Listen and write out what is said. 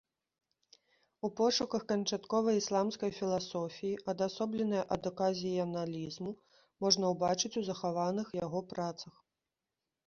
У пошуках канчатковай ісламскай філасофіі, адасобленай ад аказіяналізму, можна ўбачыць у захаваных яго працах.